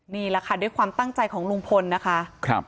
นี่แหละค่ะด้วยความตั้งใจของลูกนะคะครับ